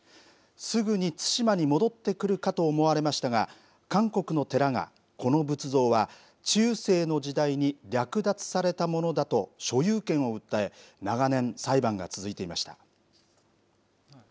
すぐに対馬に戻ってくるかと思われましたが韓国の寺が、この仏像は中世の時代に略奪されたものだと所有権を訴え長年、裁判が続いていました。